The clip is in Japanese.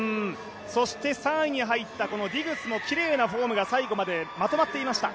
そして、３位に入ったディグスもきれいなフォームが最後までまとまっていました。